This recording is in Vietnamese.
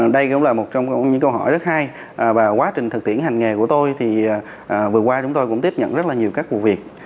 đây cũng là một trong những câu hỏi rất hay và quá trình thực tiễn hành nghề của tôi thì vừa qua chúng tôi cũng tiếp nhận rất là nhiều các vụ việc